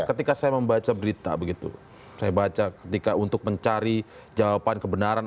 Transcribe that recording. ketika saya membaca berita begitu saya baca ketika untuk mencari jawaban kebenaran